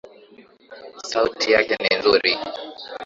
Sauti yake ni nzuri.